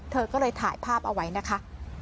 เธอก็เลยถ่ายภาพเอาไว้นะคะ